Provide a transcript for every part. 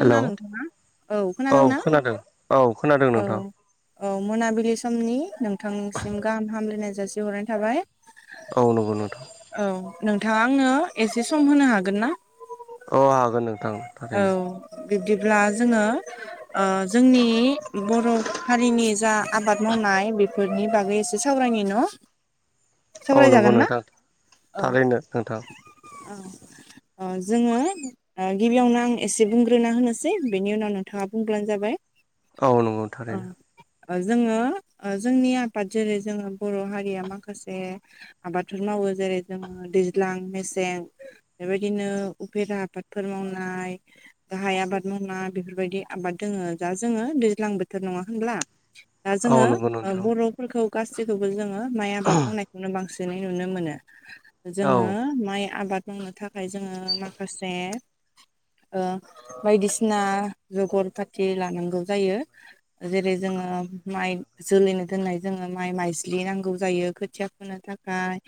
Hello नोंथाङा औ खोनादोंना औ खोनादों औ नोंथां औ मोनाबिलि समनि नोंथांसिम गाहाम हामलायनाय जासिहरनाय थाबाय औ नंगौ नोंथां औ नोंथाङा आंनो एसे सम होनो हागोन ना? अ हागोन नोंथां औ थारैनो बिब्दिब्ला जोङो ओ जोंनि बर' हारिनि जा आबाद मावनाय बे फोरनि बागै एसे सावरायनि न'? औ सावराय नंगौ जागोनना नोंथां औ थारैनो नोंथां अ अ जोङो गिबियावनो आं एसे बुंग्रोना होनोसै बेनि उनाव नोंथाङा बुंब्लानो जाबाय औ नंगौ ओ थारैनो ओ जोङो ओ जोंनि आफाद जेरै जोंङो बर' हारिया माखासे आबादथ' मावो जेरै जोङो दैज्लां मेसें बेबायदिनो उफेरा आबाद फोर मावनाय गाहाय आबाद मावना बेफोरबायदि आबाद दोंङो दा जोङो दैज्लां बोथोर नङा होनब्ला? दा औ जोङो नंगौ ओ नोंथां बर'फोरखौ गासैखौबो जोङो माइ आबाद मावनाय खौनो बांसिनै नुनो मोनो औ जोङो माइ आबाद मावनो थाखाय जोङो माखासे ओ बायदिसिना जगर पाथि लानांगौ जायो। जेरै जोङो माइ जोलैनो दोननाय जोङो माइ माइज्लि नांगौ जायो खोथिया फोनो थाखाय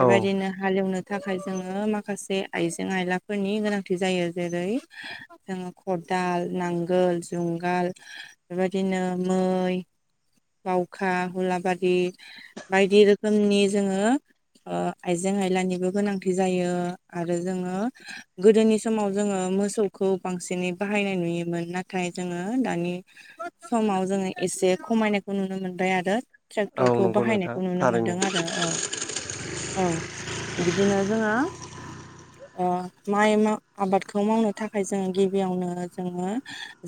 औ बेबायदिनो हाल एवनो थाखाय जोङो माखासे आइजें आयलाफोरनि गोनां थि जायो जेरै जोङो खदाल नांगोल जुंगाल बेबायदिनो मै बावखा हुलाबारि बायदि रोखोमनि जोङो ओ आइजें आयलानिबो गोनांथि जायो आरो जोङो गोदोनि समाव जोङो मोसौखौ बांसिनै बाहायनाय नुयोमोन नाथाय जोङो दानि समाव जोङो एसे खमायनायखौ नुनो मोनबाय आरो। औ ट्रेक्टरखौ नंगौ नोंथां बाहायनायखौ नुनो थारैनो मोनदों आरो औ औ। बिदिनो जोङो ओ माइ मा आबादखौ मावनो थाखाय जोङो गिबियावनो जोङो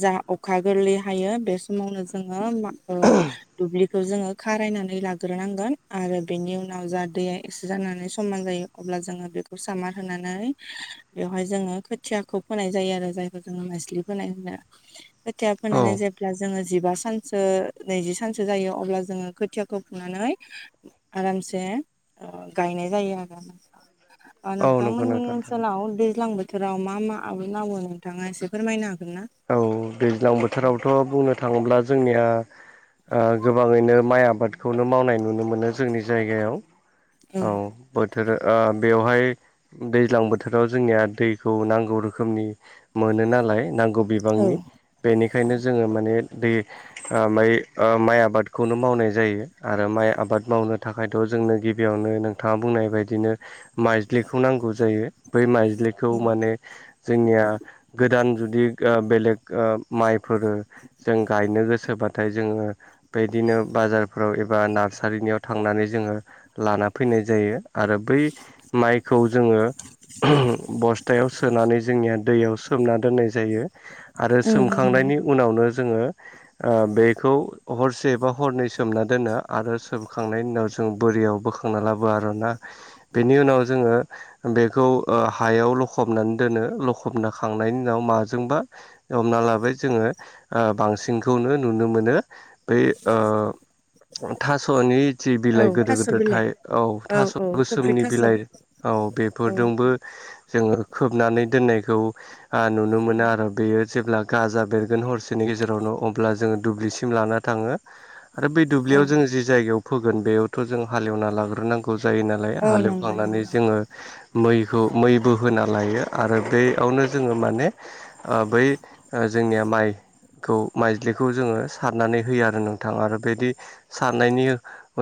जा अखा गोरलै हायो बे समावनो जोङो मा ओ दुब्लि खौ जोङो खारायनानै लाग्रोनांगोन आरो बेनि उनाव जा दैया एक्से जानानै समान जायो अब्ला जोङो बेखौ सामार होनानै बेवहाय जोङो खोथियाखौ फोनाय जायो आरो जायखौ जोङो नेस्लि फोनाय होनो खोथिया औ फोनानै जे ब्ला जोङो जिबा सानसो नैजि सानसो जायो अब्ला जोङो खोथियाखौ फुनानै आरामसे ओ गायनाय जायो आरो अ औ नंगौ नोंथांमोननि नोंथां थारैनो ओनसोलाव दैज्लां बोथोराव मा मा आबाद मावो नोंथाङा एसे फोरमायनो हागोनना? औ दैज्लां बोथोरावथ' बुंनो थाङोब्ला जोंनिया ओ गोबाङैनो माइ आबादखौनो मावनाय नुनो मोनो जोंनि जायगायाव। औ बोथोर ओ बेवहाय दैज्लां बोथोराव जोंनिया दैखौ नांगौ रोखोमनि मोनो नालाय नांगौ औ बिबांनि बेनिखायनो जोङो माने दै ओ मै ओ माइ आबादखौनो मावनाय जायो आरो माइ आबाद मावनो था थाखायथ' जोंनो गिबियावनो नोंथाङा बुंनाय बायदिनो माइज्लिखौ नांगौ जायो बै माइज्लिखौ औ माने जोंनिया गोदान जुदि ओ बेलेग ओ माइफोर जों गायनो गोसोबाथाय जोङो बैदिनो बाजारफोराव एबा नार्सारिनियाव थांनानै जोङो लाना फैनाय जायो आरो बै माइखौ जोङो बस्थायाव सोनानै जोंनिया दैयाव सोमना दोननाय जायो। आरो नंगौ सोमखांनायनि उनावनो जोङो ओ बैखौ हरसेबा हरनै सोमना दोनो आरो सोमखांनायनि उनाव जों बोरियाव बो खांना लाबो आरोना बेनि उनाव जोङो बेखौ ओ हायाव लखबनानै दोनो लखबना खांनायनि उनाव माजोंबा हमना लाबोबाय जोङो ओ बांसिनखौनो नुनो मोनो। बै ओ थास'नि थ औ बिलाइ गोिदिर थास' गोिदिर थ बिलाइ औ थास' औ कफ्रि गोसोमनि थास' औ बिलाइ औ बेफोरजोंबो जोंङो खोबनानै दोननायखौ नुनो मोनो आरो मा बेयो जेब्ला गाजा बेरगोन हरसेनि गेजेरावनो अब्ला जोंङो दुब्लिसिम लाना थांङो। आरो बै औ दुब्लियाव जों जि जायगायाव फोगोन बेयावथ' जों हालेवना लाग्रोनांगौ जायोना। औ नंगौ हालेवखांनानै नंगौ जोंङो। मैखौ मैबो होना लायो आरो बेयावनो जोङो मानेओ आ बै जोंनिया माइ खौ माइज्लिखौ जोङो सारनानै होयो आरो नोंथां आरो बेदि साननायनि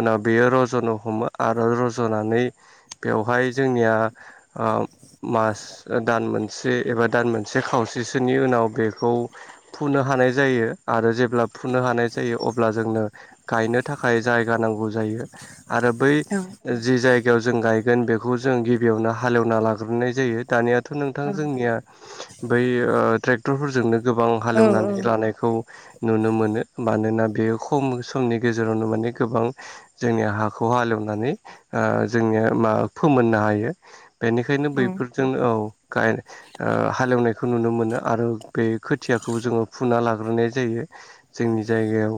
उनाव बेयो रज'नो हमो आरो रज'नानै बेवहाय जोंनियाबो मास दान मोनसे एबा दान मोनसे खावसे [unintelligible] नि उनाव बेखौ फुनो हानाय जायो आरो जेब्ला फुनो हानाय जायो अब्ला जोंनो। गायनो थाखाय जायगा नांगौ जायो आरो बै औ जि जाय जायगायाव जों गायगोन बेखौ जों गिबियावनो हाल एवना लाग्रोनाय जायो दानियाथ' नोंथां औ जोंनिया [inaudible] बै ओ ट्रेक्टरफोरजोंनो गोबां हाल औ औ एवनानै लानायखौओ नुनो मोनो मानोना बेयो खम समनि गेजेरावनो माने गोबांनो जोंनि हाखौ हालेवनानै जोंनि मा फोमोननो हायो नोंथां। बेनिखायनो औ बैफोरजोंनो औ गाय हाले एवना खौ नुनो मोनो आरो बे खोथियाखौ जोङो फुना लाग्रोनाय जायो। जोंनि जायगायाव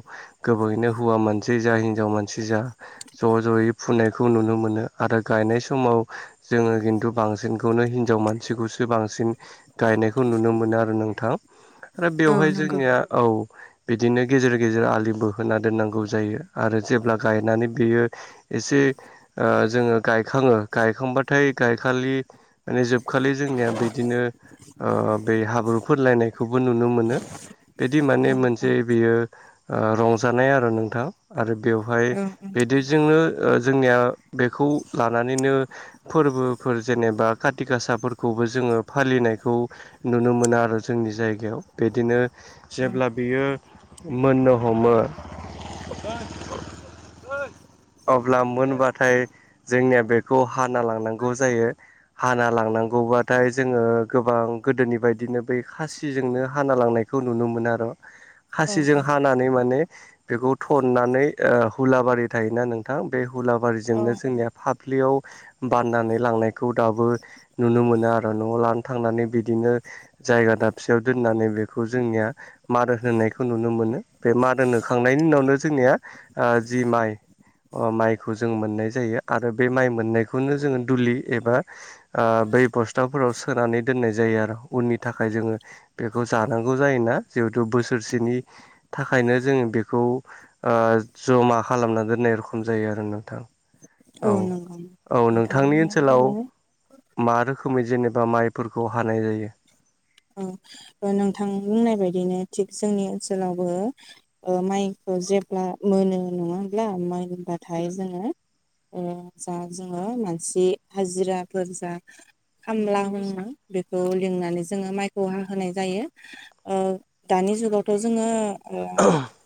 गोबाङैनो हौवा मानसि जा हिनजाव मानसि जायो। ज' ज'यै फुनायखौ नुनो मोनो आरो गायनाय समावो जोङो खिन्थु बांसिनखौनो हिनजाव मानसिखौसो बांसिनो गायनायखौ नुनो मोनो आरो नोंथां आरो औ बेवहाय नंगौ जोंनिया औ। बिदिनो गेजेर गेजेर आलि बोहो होना दोननांगौ जायो आरो जेब्ला गायनानै बेयो एसे ओ जोङो गायखाङो गायखांबाथाय गायखालिनो माने जोबखालि जोंनिया बिदिनो आ बे हाब्रु फोनलायनायखौबो नुनो मोनो बिदि औ माने मोनसे बेयो ओ आ रंजानाय आरो नोंथां आरो बेवहायो औ बेदिजोंनो जोंनिया बेखौ लानानैनो ओ फोरबोफोर जेनेबा खाति गासाफोरखौबो जोङो फालिनायखौ नुनो मोनो आरो जोंनि जायगायाव बिदिनो जेब्ला बियो ओ मोननो हमो। अब्ला मोनबाथाय जोंनिया बेखौ हाना लांनांगौ जायो। हाना लांनांगौबाथाय जोङो गोबांनो गोदोनि बायदिनो बै खासिजोंनो हाना लांनायखौ नुनो मोनो आरो। औ खाासिजों हानानै माने बेखौ थननानै ओ हुलाबारि थायोना नोंथां बे औ हुलाबारिजोंनो जोंनिया फाफ्लियावो बाननानै लांनायखौ दाबो नुनो मोनो आरो न'आव लानो थांनानै बि दिनो जायगा दाबसेयाव दोननानै बेखौ जोंनिया मारोन होनायखौ नुनो मोनो बे मारोन होखांनायनि उनावनो जोंनिया जि माइनि अ माइखौ जों मोननाय जायो आरो बे माइ मोननायखौनो जोङो दुलि एबा ओ आ बै बस्थाफोराव सोनानै दोननायो जायो आरो उननि थाखाय जोङो बेखौ जानांगौ जायोना जिहेथु बोसोरसेनिनो थाखायनो जोङो बेखौओ ओ जमा खालामना दोननाय रखम जायो आरो नोंथां। औ औ नोंथां नोंथांनि बुंनाया ओनसोलावो थारैनो मा रोखोमै जेनेबा माइफोरखौ हानाय जायो। औ ओ नोंथां बुंनाय बायदिनो थिग जोंनि ओनसोलावबो ओ ओ माइखौ जेब्ला मोनो नङा होमब्ला मोनबाथाय जोङो ओम जा जोङो मानसि हाजिराफोर जा खामला होनो बेखौ लिंनानै जोङो माइखौ हा होनाय जायो दानि जुगावथ' जोङो ओ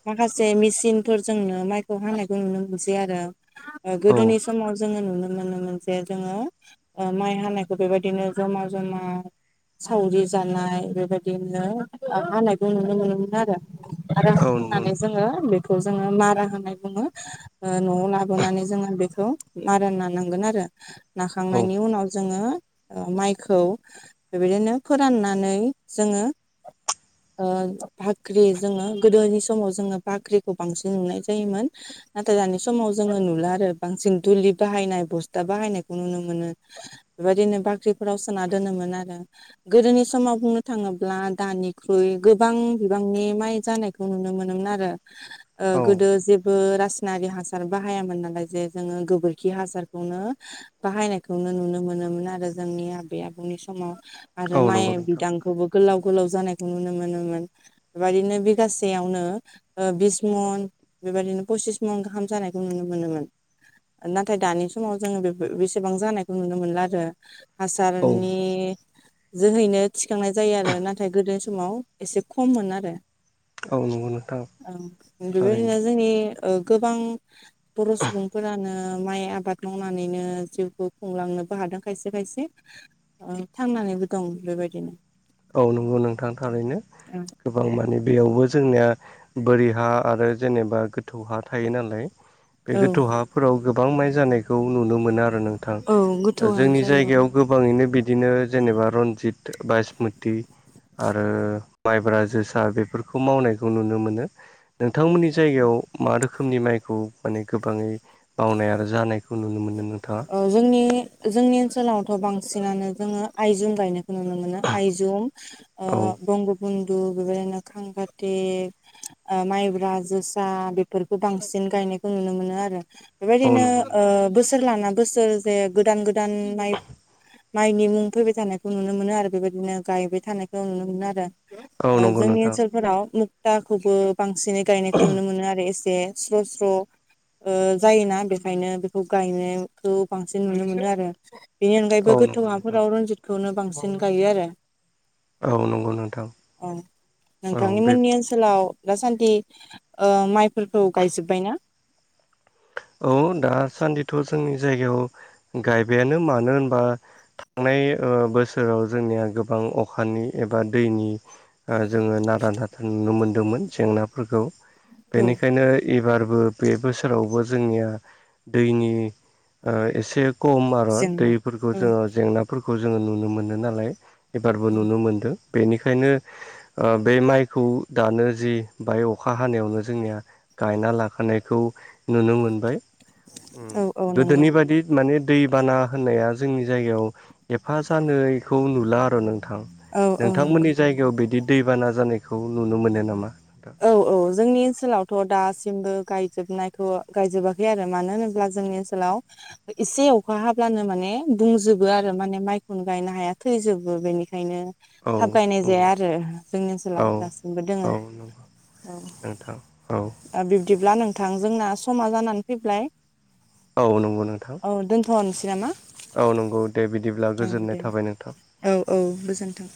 माखासे मेसिनफोरजोंनो माइखौ हानायखौ नुनो मोनसै आरो औ गोदोनि समाव जोङो नुनो मोनोमोन जे जोङो माइ हानायखौ बेबायदिनो जमा जमा सावरि जानाय बेबायदिनो हानायखौ नुनो मोनोमोन आरो आरो औ नंगौ हाखांनानै जोङो खौ जोङो मारा होननाय बुङो। न'आव लाबोनानै जोङो बेखौ मारा नानांगोन आरो। नोंथां औ नाखांनायनि उनाव जोङो माइखौ बेबायदिनो फोराननानै जोङो ओ बाख्रि जोङो गोदोनि समाव जोङो बाख्रिखौ बांसिन नुनाय जायोमोन। नाथाय दानि समाव जोङो नुला आरो बांसिन दुलि बाहायनाय बस्था बाहायनायखौ नुनो मोनो। बेबायदिनो बाख्रिफोराव सोना दोनोमोन आरो गोदोनि समाव बुंनो थाङोब्ला दानिख्रुइ गोबां बिबांनि माइ जानायखौ नुनो मोनोमोन आरो। ओ औ गोदो जेबो रासायनारि हासार बाहायामोन नालाय जे जोङो गोबोरखि हासारखौनो बाहायनायखौनो नुनो मोनोमोन आरो जोंनि आबै आबौनि समाव आरो औ नंगौ माइ नोंथां बिदां खौबो गोलाव गोलाव जानायखौ नुनो मोनोमोन बेबायदिनो बिगासेयावनो ओ बिस मन बेबदिनो पसिस मन गाहाम जानायखौ नुनो मोनोमोन। नाथाय दानि समाव जोङो बे बेसेबां जानायखौ नुनो मोनला आरो। औ हासारनि जोहैनो थि थिखांनाय जायो आरो नाथाय गोदोनि समाव एसे खममोन आरो। औ नंगौ नोंथां बेबायदिनो थारैनो जोंनि ओ गोबां बर' सुबुंफोरानो माइ आबाद मावनानैनो जिउखौ खुंलांनोबो हादों खायसे खायसे। थांनानैबो दं बेबायदिनो। औ नंगौ नोंथां थारैनो गोबां माने बेयावबो जोंनिया बोरि हा आरो जेनेबा गोथौ हा थायो नालाय। बे औ गोथौ हाफोराव गोबां माइ जानायखौ नुनो मोनो आरो नोंथां औ दा गोथौआनो जोंनि जायो औ जायगायाव गोबाङैनो बिदिनो जेनेबा रनजित बास्मति आरो माइब्रा जोसा बेफोरखौ मावनायखौ नुनो मोनो। नोंथांमोननि जायगायाव मा रोखोमनि माइखौ माने गोबाङै मावनाय आरो जानायखौ खौ नुनो मोनदों नोंथाङा? जोंनि जोंनि ओनसोलावथ' बांसिनानो जोङो आइजं गायनो नुनो मोनो आयजं ओ औ बंग बन्धु बेबायदिनो खांखाते ओ माइब्रा जोसा बेफोरखौ बांसिन गायनायखौ नुनो मोनो आरो। औ बेबायदिनो नंगौ नोंथां बोसोर लाना बोसोर जे गोदान गोदान माइ माइनि मुं फैबाय थानायखौ नुनो मोनो आरो बेबायदिनो गायबाय थानायखौ नुनो मोनो आरो। औ ओ नंगौ जोंनि नोंथां ओनसोलफोराव मुक्ताखौबो बांसिनै गायनायखौ नुनो मोनो आरो एसे स्र सर ओ जायोना बेखायनो खौ गायनायखौ बांसिन नुनो मोनो आरो बेनि औ अनगायैबो गोथौ नंगौ नोंथां हाफोराव रन्जित बे खौनो बांसिन गायो आरो। औ नंगौ नोंथां औ औ नोंथांनि बे मोननि ओन ओनसोलाव दासान्दि ओ माइफोरखौ गायजोबायना? औ दासान्दिथ' जोंनि जायगायाव गायबायानो मानो होनबा थांनाय बोसोराव जोंनिया गोबां अखानि एबा दैनि ओ जोङो नारा नाथा नुनो मोनदोंमोन जेंनाफोरखौ औ बेनिखायनो एबारबो बे बोसोरावबो जोंनिया दैनि एसे खम आर जेंना दैफोरखौ औ जोङो जेंनाफोरखौ जोङो नुनो मोनो नालाय। एबारबो नुनो मोनदों बेनिखायनो ओ बे माइखौ दानो जि बाहाय अखा हानायावनो जोंनिया गायना लाखानायखौ नुनो मोनबाय उम औ औ नंगौ गोदोनि बादि माने दैबाना होननाया जोंनि जायगायाव एफा जानायखौ नुला आरो नोंथां औ औ नंगौ नोंथांमोननि जायगायाव बिदि दैबाना जानायखौ नुनो मोनो नामा नोंथां औ औ जोंनि ओनसोलावथ' दासिमबो गायजोबनायखौ गायजोबाखै आरो मानो होनोब्ला जोंनि ओनसोलाव एसे अखा हाब्लानो माने बुंजोबो आरो माने माइखौनो गायनो हाया थैजोबो बेनिखायनो थाब औ गायनाय नंगौ जाया आरो जोंनि ओनसोलाव दासिमबो दोङो खालाम नाङा औ बिब्दिब्ला नोंथां जोंना समा जानानै फैबाय औ नंगौ नोंथां औ दोन्थ'वनोसै नामा औ नंगौ दे बिदिब्ला औ दे गोजोननाय थाबाय नोंथां औ औ गोजोन्थों